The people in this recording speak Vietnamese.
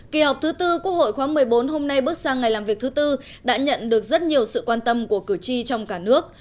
kỳ họp thứ tư quốc hội khóa một mươi bốn hôm nay bước sang ngày làm việc thứ tư đã nhận được rất nhiều sự quan tâm của cử tri trong cả nước